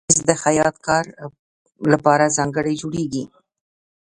مېز د خیاط کار لپاره ځانګړی جوړېږي.